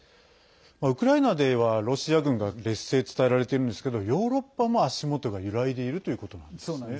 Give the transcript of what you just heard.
ウクライナではロシア軍が劣勢伝えられているんですけどヨーロッパも足元が揺らいでいるということなんですね。